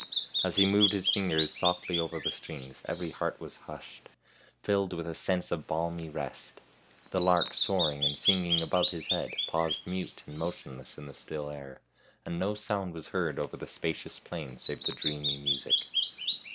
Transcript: As he moved his fingers softly over the strings every heart was hushed, filled with a sense of balmy rest. The lark soaring and singing above his head paused mute and motionless in the still air, and no sound was heard over the spacious plain save the dreamy music.